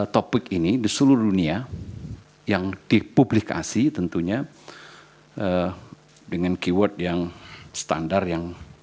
topik ini di seluruh dunia yang dipublikasi tentunya dengan keyword yang standar yang